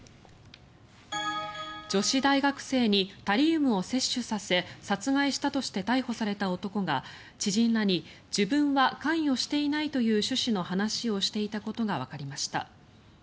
女子大学生にタリウムを摂取させ殺害したとして逮捕された男が知人らに、自分は関与していないという趣旨の話をしていたことがわかりました。